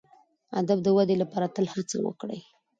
د ادب د ودي لپاره تل هڅه وکړئ.